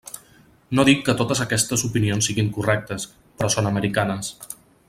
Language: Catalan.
No dic que totes aquestes opinions siguin correctes, però són americanes.